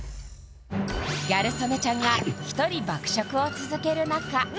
ギャル曽根ちゃんが１人爆食を続ける中